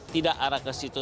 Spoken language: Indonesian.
tidak arah ke situ